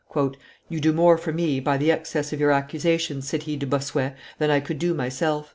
"You do more for me by the excess of your accusations," said he to Bossuet, "than I could do myself.